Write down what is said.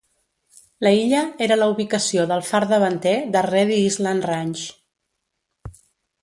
La illa era la ubicació del far davanter de Reedy Island Range.